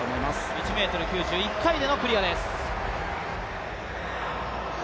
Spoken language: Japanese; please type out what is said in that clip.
１ｍ９０、１回でのクリアです。